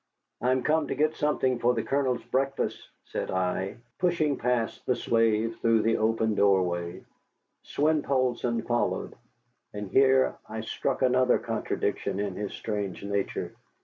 "I am come to get something for the Colonel's breakfast," said I, pushing past the slave, through the open doorway. Swein Poulsson followed, and here I struck another contradiction in his strange nature.